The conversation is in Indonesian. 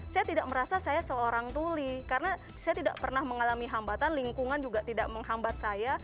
saya tidak merasa saya seorang tuli karena saya tidak pernah mengalami hambatan lingkungan juga tidak menghambat saya